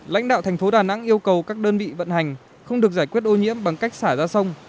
lãnh đạo thành phố đà nẵng yêu cầu các đơn vị vận hành không được giải quyết ô nhiễm bằng cách xả ra sông